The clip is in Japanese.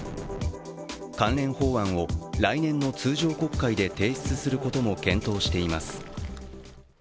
関連法案を来年の通常国会で提出することも検討しています。